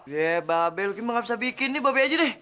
yee babel ini mah nggak bisa bikin ini babel aja deh